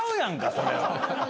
それは。